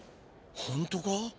ホントか？